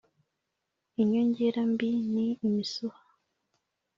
Inyongera mbi ni imisuha.